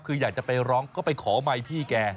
คืออยากจะไปร้องก็ไปขอไมค์พี่แก